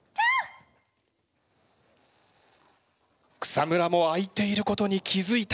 草村も開いていることに気付いた。